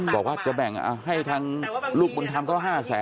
บอกว่าจะแบ่งให้ทางลูกบุญธรรมก็๕๐๐๐๐๐บาท